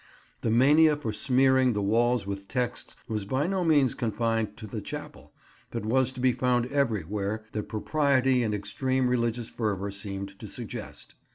The mania for smearing the walls with texts was by no means confined to the chapel, but was to be found everywhere that propriety and extreme religious fervour seemed to suggest.